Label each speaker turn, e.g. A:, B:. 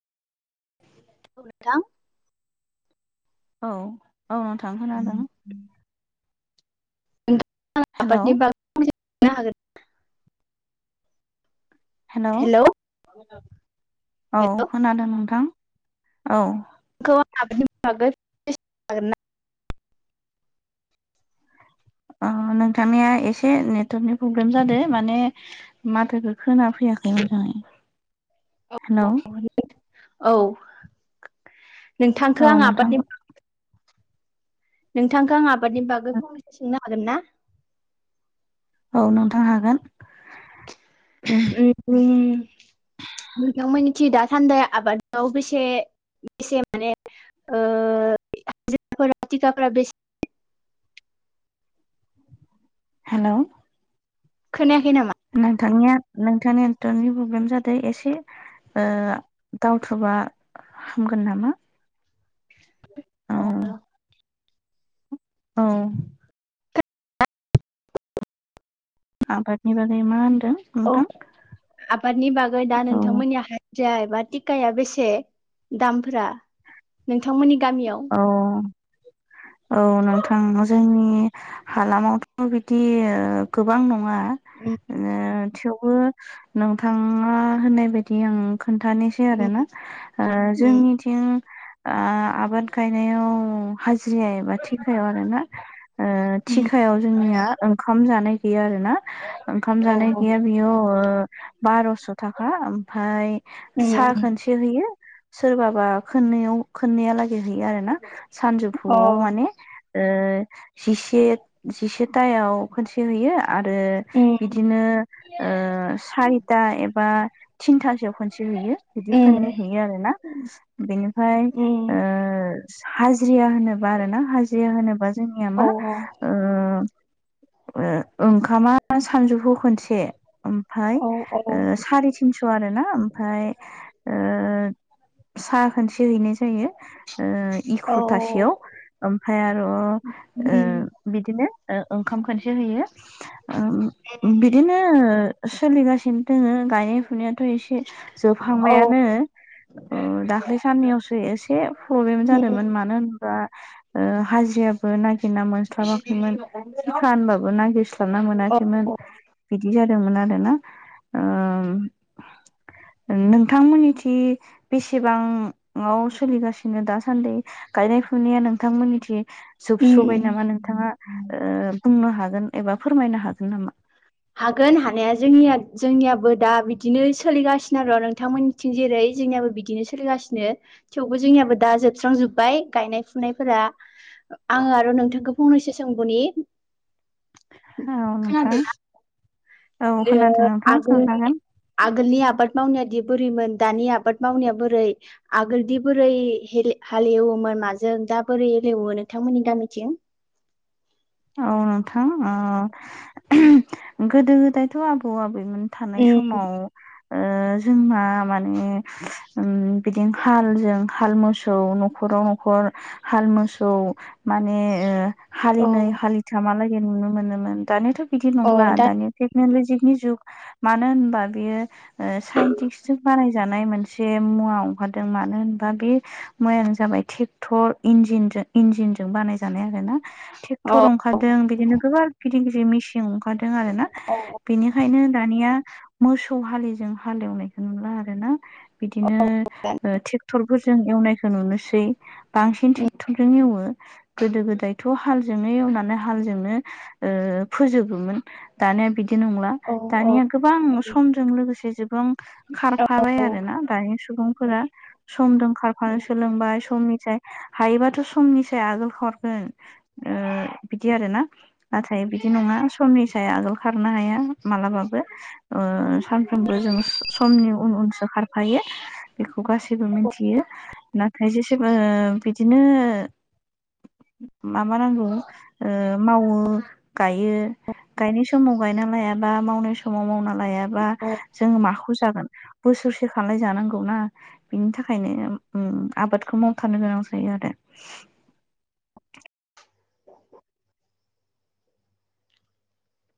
A: [inaudible]
B: बुं नोंथां
A: औ औ नोंथां खोनादों। हेलौ
B: [unintelligible]
A: हेल'
B: हेलौ
A: औ
B: हेलौ
A: खोनादों नोंथां औ।
B: [unintelligible]
A: ओ नोंथांनिया एसे नेटवार्कनि प्रब्लेम जादो माने माथोखो खोना फैयाखै नोंथां हेल'
B: औ नोंथांखौ
A: औ
B: आं
A: नोंथां
B: आबादनि नोंथांखौ आं आबादनि बागो फंनैसो सोंनो हागोन ना?
A: औ नोंथां हागोन।
B: उम नोंथां मोननिथि दासान्दै आबादखौ बेसे बेसे माने ओ हाजिराफोरा टिखाफोरा बेसे
A: हेल'
B: खोनायाखै नामा?
A: नोंथांनिया नोंथांनिया नेटवार्कनि प्रब्लेम जादो एसे ओ दावथुबा हामगोन नामा? औ
B: अ र'
A: औ आबादनि बागै मा होनदों
B: औ
A: नोंथां
B: आबादनि बागै दा
A: औ
B: नोंथांमोननिया जायबा टिकाया बेसे दामफोरा नोंथांमोननि गामियाव?
A: औ औ नोंथां जोंनि हालामावथ' बिदि गोबां नङा ओ थेवबो नोंथाङा होननाय बायदि आं खोन्थानोसै आरोना ओ जोंनिथिं ओ आबाद गायनायाव ओ हाजिरा एबा थिखायाव आरो ना ओ थिखायाव जोंनिया ओंखाम जानाय गैया आरो ना ओंखाम
B: औ
A: जानाय गैया बेयाव ओ बारस' थाखा ओमफ्राय
B: अ
A: सा खोनसे हैयो सोरबाबा खोननैयाव खोननैहा लागै हैयो आरो ना।
B: अ उम अ
A: सानजौफुआव माने। ओ जिसे जिसेथायाव खनसे होयो आरो
B: उम
A: बिदिनो ओ सारिथा एबा थिनथासोआव खनसे हैयो बिदि खननै
B: उम
A: हैयो आरोना बिनिफ्राय ओ
B: उम
A: हाजिरा होनोबा आरो ना हाजिरा होनोबा जोंनिया मा
B: औ
A: ओ ओ ओंखामा सानजुफुआव खोनसे ओमफ्राय
B: औ औ
A: ओ सारि थिनस' आरोना ओमफ्राय ओ साहा खोनसे हैनाय जायो। ओ
B: औ
A: इख्र'थासेयाव ओमफ्राय आरो ओ बिदिनो ओ ओंखाम खोनसे होयो ओ बिदिनो सोलिगासिनो दोङो गायनाय फुनायाथ' एसे जोबहांबायानो। दाख्लै साननैयावसो एसे प्रब्लेम जादोंमोन मानो होन ब्ला ओ हाजिराबो नागिरना मोनस्लाबाखैमोन थिखा होनबाबो नागिरस बना मोनाखैमोन इदि जादोंमोन आरोना ओम नोंथांमोननि थि बेसेबां आव सोलिगासिनो दासान्दै गायनाय फुनाया नोंथांमोननिथि जोबस्र'बाय नामा नोंथाङा ओ बुंनो हागोन एबा फोरमायनो हागोन नामा?
B: हागोन हानाया जोंनिया जोंनियाबो दा बिदिनो सोलिगासिनो र' नोंथांमोननि थिं जेरै जोंनियाबो बिदिनो सोलिगासिनो। थेवबो जोंनियाबो दा जोबस्रां जोब्बाय गायनाय फुनायफोरा। आङो आरो नोंथांखौ फंनैसो सोंबनि
A: औ नोंथां
B: खोनादोंना
A: औ खोनादों
B: [unintelligible]
A: नोंथां
B: आगोल
A: सोंजागोन
B: आगोलनि आबाद मावनायादि बोरैमोन दानि आबाद मावनाया बोरै आगोलदि बोरै हेलेव हालेवोमोन माजों दा बोरै हेलेवो नोंथांमोननि गामिथिं?
A: औ नोंथां ओ गोदो गोदायथ' आबौ आबैमोन थानाय
B: उम
A: समाव ओ जोंहा माने बिदिनो हालजों हाल मोसौ न'खराव न'खर हाल मोसौ माने ओ
B: औ
A: हालिनै हालिथ मालागै नुनो मोनोमोन दानियााथ' बिदि
B: औ
A: नंला
B: दा
A: दानिया टेक्न'लजिनि जुग मानो होनबा बेयो साइन्टिस्टजों बानायजानाय मोनसे मुवा ओंखारदों मानो होनबा बे मैयानो जाबाय ट्रेक्टर इन्जिनजों इन्जिनजों बानाय जानाय आरो ना।
B: अ
A: टर
B: औ
A: ओंखारदों बिदिनो गोबा गिदिर गिदिर मेसि थिं ओंखारदों आरोना बेनिखायनो दानिया मोसौ हालिजों हालेवनायखौ नुला आर ना बिदिनो ओ ट्रेक्टर फोरजों एवनायखौ नुनोसै बांसिन ट्रेक्टरजों एवो गोदो गोदायथ' हाल जों हजोंनो एवनानै हालजोंनो फोजोबोमोन दानिया बिदि नंला
B: औ
A: दानिया गोबां समजों लोगोसे जबां खारफाबाय
B: औ
A: आरोना दानि सुबुंफोरा। समजों खारफानो सोलोंबाय समनिफ्रायाय हायोबाथ' समनिस आगोल हरगोन। ओ बिदि आरोना नाथाय बिदि नङा समनि सायाव आगोल खारनो हाया मालाबाबो ओ सानफ्रोमबो जों समनि उन उनसो खारफायो। बेखौ गासैबो मिथियो ना खायसे सोरबा ओ बिदिनो माबा नांगौ मावो गायो। गायनाय समाव गायना लायाबा मावनाय समाव मावना लायाबा
B: औ
A: जोंङो माखौ जागोन। बोसोरसे खालाय जानांगौ ना बिनि थाखायनो आबादखौ मावथारनो गोनां जायो आरो
B: [unintelligible]